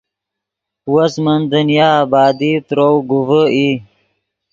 وس من دنیا آبادی ترؤ گوڤے ای